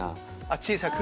小さく。